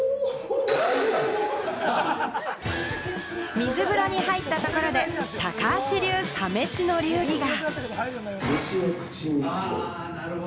水風呂に入ったところで、高橋流サ飯の流儀が。